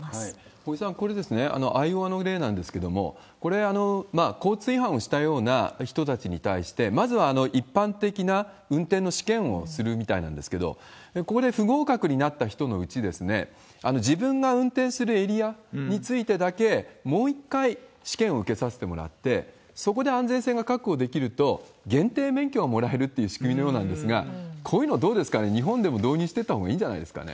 堀さん、これ、アイオワの例なんですけれども、これ、交通違反をしたような人たちに対して、まずは一般的な運転の試験をするみたいなんですけれども、ここで不合格になった人のうち、自分が運転するエリアについてだけ、もう一回試験を受けさせてもらって、そこで安全性が確保できると、限定免許がもらえるっていう仕組みのようなんですが、こういうの、どうですかね、日本でも導入してったほうがいいんじゃないですかね。